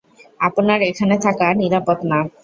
আপনার এখানে থাকা নিরাপদ না।